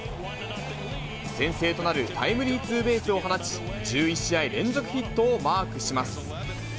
先制となるタイムリーツーベースを放ち、１１試合連続ヒットをマークします。